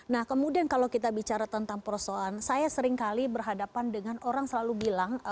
nah kemudian kalau kita bicara tentang persoalan saya seringkali berhadapan dengan orang selalu bilang